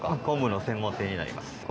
昆布の専門店になります